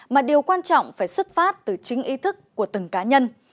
mà điều quan trọng phải xuất phát từ chính ý thức của từng cá nhân